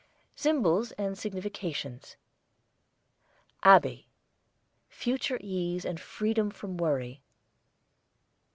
SYMBOLS AND SIGNIFICATIONS ABBEY, future ease and freedom from worry.